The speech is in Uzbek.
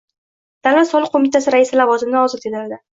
Davlat soliq qo'mitasi raisi lavozimidan ozod etildi